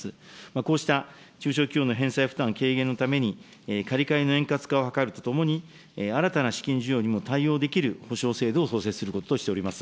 こうした中小企業の返済負担軽減のために、借り換えの円滑化を図るとともに、新たな資金需要にも対応できる保証制度を創設することとしております。